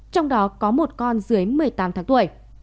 trong đó có một con dưới một mươi tám tháng tuổi